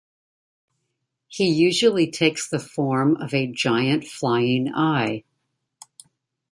He usually takes the form of a giant flying eye.